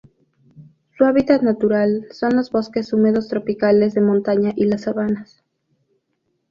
Su hábitat natural son lo bosques húmedos tropicales de montaña y las sabanas.